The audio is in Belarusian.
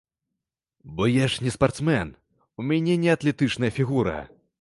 Бо я ж не спартсмен, у мяне не атлетычная фігура.